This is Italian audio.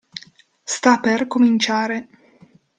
Sta per cominciare.